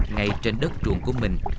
ngay trên đất ruộng của mình